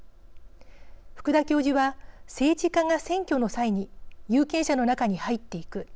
福田教授は政治家が選挙の際に有権者の中に入っていく。